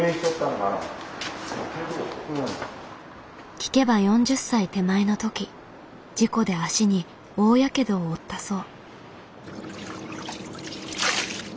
聞けば４０歳手前のとき事故で足に大ヤケドを負ったそう。